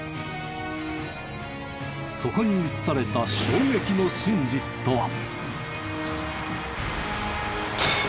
そこに映された衝撃の真実とは。